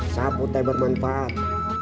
sapu teh bermanfaat